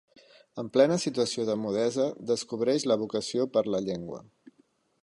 En plena situació de mudesa, descobreix la vocació per la llengua.